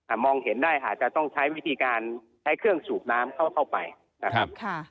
มองเห็นได้อาจจะต้องใช้วิธีการใช้เครื่องสูบน้ำเข้าเข้าไปนะครับค่ะ